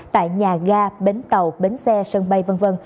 tại nhà ga bến tàu bến xe sân bay v v